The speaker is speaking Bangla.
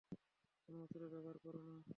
কোনো অস্ত্র ব্যবহার করো না।